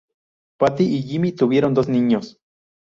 Patty y Jimmy tuvieron dos niños.